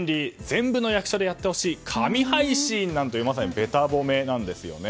全部の役所でやってほしい神配信なんていうまさにべた褒めなんですよね。